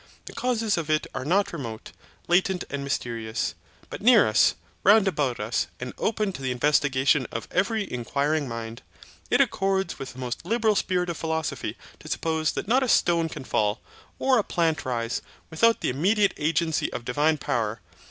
The causes of it are not remote, latent and mysterious; but near us, round about us, and open to the investigation of every inquiring mind. It accords with the most liberal spirit of philosophy to suppose that not a stone can fall, or a plant rise, without the immediate agency of divine power.